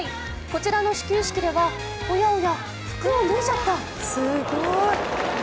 こちらの始球式では、おやおや服を脱いじゃった。